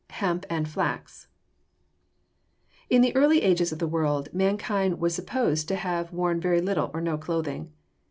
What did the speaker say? HEMP AND FLAX In the early ages of the world, mankind is supposed to have worn very little or no clothing.